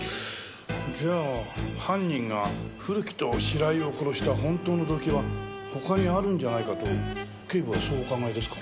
じゃあ犯人が古木と白井を殺した本当の動機は他にあるんじゃないかと警部はそうお考えですか？